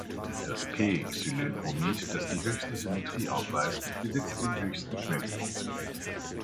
Das "p"-Xylylbromid, das die höchste Symmetrie aufweist, besitzt den höchsten Schmelzpunkt.